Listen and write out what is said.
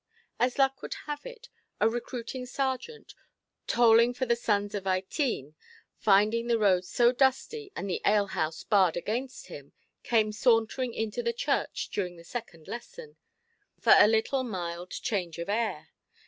As luck would have it, a recruiting sergeant, toling for the sons of Ytene, finding the road so dusty, and the alehouse barred against him, came sauntering into the church during the second lesson, for a little mild change of air.